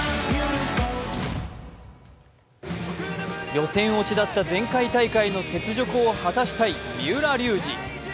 予選落ちだった前回大会の雪辱を果たしたい三浦龍司。